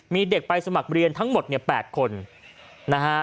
มีเด็กไปสมัครเรียนทั้งหมดเนี่ย๘คนนะฮะ